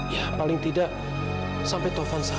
ya paling tidak sampai taufan sadar